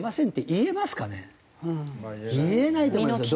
言えないと思いますよ